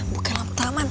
bukan lampu taman